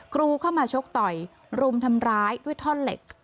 กรูเข้ามาชกต่อยรุมทำร้ายด้วยท่อนเหล็ก